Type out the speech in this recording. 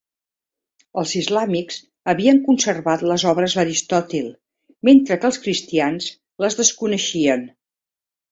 Els islàmics havien conservat les obres d'Aristòtil, mentre que els cristians les desconeixien.